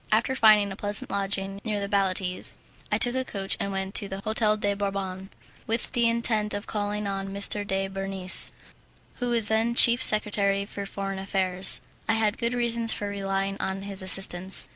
After finding a pleasant lodging near the Baletti's, I took a coach and went to the "Hotel de Bourbon" with the intention of calling on M. de Bernis, who was then chief secretary for foreign affairs. I had good reasons for relying on his assistance.